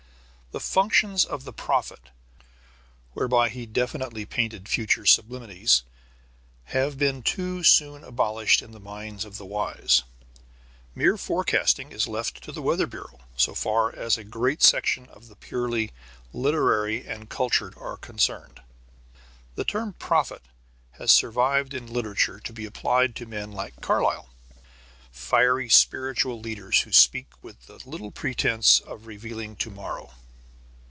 The functions of the prophet whereby he definitely painted future sublimities have been too soon abolished in the minds of the wise. Mere forecasting is left to the weather bureau so far as a great section of the purely literary and cultured are concerned. The term prophet has survived in literature to be applied to men like Carlyle: fiery spiritual leaders who speak with little pretence of revealing to morrow.